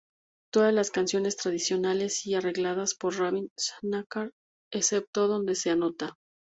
Todas las canciones tradicionales y arregladas por Ravi Shankar excepto donde se anota.